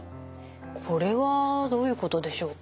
これはどういうことでしょうか？